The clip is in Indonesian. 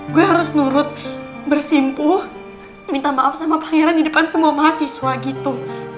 gue harus nurut bersimpuh minta maaf sama pangeran di depan semua mahasiswa gitu